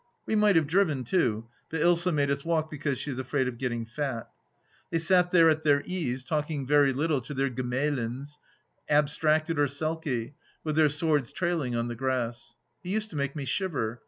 We might have driven too, but Ilsa made us walk because she is afraid of getting fat. They sat there at their ease, talking very little to their Gemahlins, abstracted or sulky, with their swords trailing on the grass. It used to make me shiver.